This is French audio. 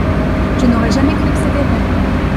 Je n'aurais jamais cru que c'était vrai.